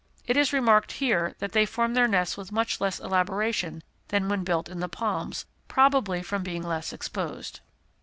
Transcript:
It is remarked that here they form their nest with much less elaboration than when built in the palms, probably from being less exposed.